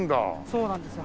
そうなんです。